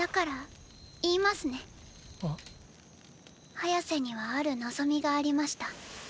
ハヤセにはある望みがありました。